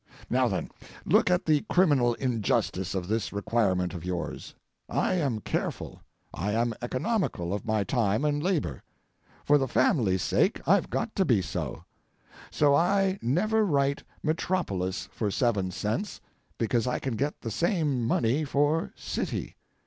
Now, then, look at the criminal injustice of this requirement of yours. I am careful, I am economical of my time and labor. For the family's sake I've got to be so. So I never write 'metropolis' for seven cents, because I can get the same money for 'city.'